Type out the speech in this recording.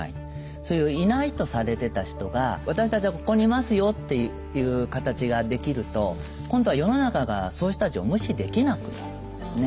そういういないとされてた人が私たちはここにいますよっていう形ができると今度は世の中がそういう人たちを無視できなくなるんですね。